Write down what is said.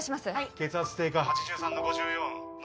血圧低下８３の５４脳